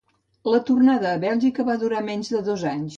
La tornada a Bèlgica va durar menys de dos anys.